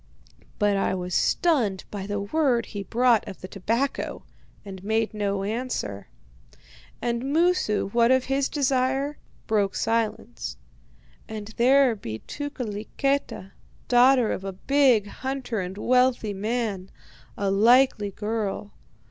"But I was stunned by the word he brought of the tobacco, and made no answer. "And Moosu, what of his own desire, broke silence: 'And there be Tukeliketa, daughter of a big hunter and wealthy man. A likely girl.